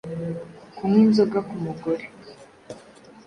kunywa inzoga ku mugore